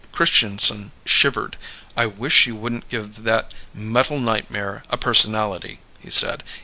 Christianson shivered. "I wish you wouldn't give that metal nightmare a personality," he said.